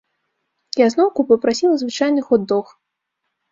Я зноўку папрасіла звычайны хот-дог.